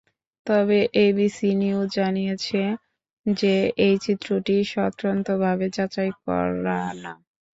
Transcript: তবে ABC News জানিয়েছে যে, এই চিত্রটি স্বতন্ত্রভাবে যাচাই করা না।